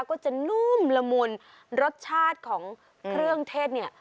ก็จะนุ่มละมุนรสชาติของเครื่องเทศเนี่ย